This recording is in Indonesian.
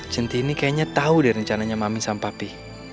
centini kayaknya tahu deh rencananya mamin sampapi